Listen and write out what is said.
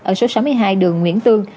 ở số sáu mươi hai đường nguyễn tương